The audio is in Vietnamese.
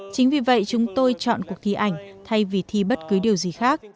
chính vì vậy chúng tôi chọn cuộc thi ảnh thay vì thi bất cứ điều gì khác